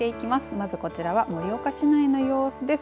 まずこちらは盛岡市内の様子です。